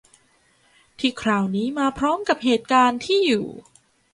ที่คราวนี้มาพร้อมกับเหตุการณ์ที่อยู่